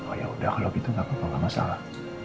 oh ya sudah kalau begitu tidak apa apa tidak masalah